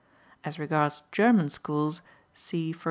As regards German schools, see, e.